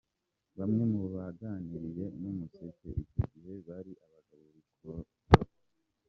Bamwe mu baganiriye n’Umuseke, icyo gihe bari abagabo b’inkorokoro.